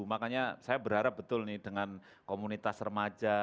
makanya saya berharap betul nih dengan komunitas remaja